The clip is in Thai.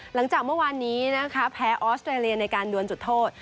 หลังจากเมื่อวานนี้นะคะแพ้ออสเตรเลียในการดวนจุดโทษ